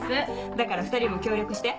だから２人も協力して。